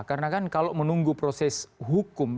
karena kan kalau menunggu proses hukum